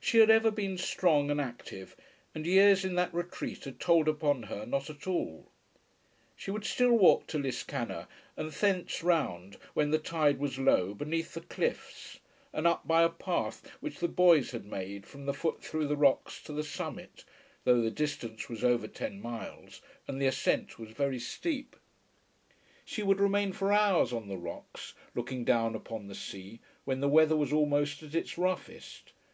She had ever been strong and active, and years in that retreat had told upon her not at all. She would still walk to Liscannor, and thence round, when the tide was low, beneath the cliffs, and up by a path which the boys had made from the foot through the rocks to the summit, though the distance was over ten miles, and the ascent was very steep. She would remain for hours on the rocks, looking down upon the sea, when the weather was almost at its roughest.